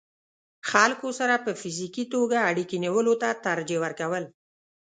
خلکو سره په فزيکي توګه اړيکې نيولو ته ترجيح ورکول